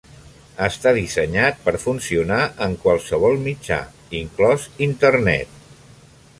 Està dissenyat per funcionar en qualsevol mitjà, inclòs Internet.